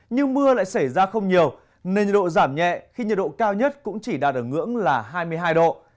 nhưng mưa lại xảy ra không nhiều nên nhiệt độ giảm nhẹ khi nhiệt độ cao nhất cũng chỉ đạt ở ngưỡng là hai mươi hai độ